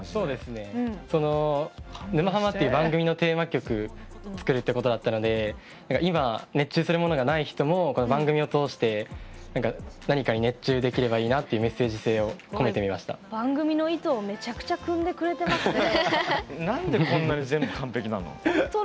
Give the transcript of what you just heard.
「沼ハマ」っていう番組のテーマ曲作るってことだったので今、熱中することがない人も番組を通して何かに熱中できればいいなっていうメッセージ性を番組の意図をめちゃくちゃくんでくれてますね。